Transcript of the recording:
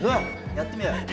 やってみようよ。